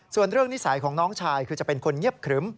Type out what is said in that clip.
ส่วนเรื่องนิสัยของน้องชายคือจะเป็นคนเงียบครึ้ม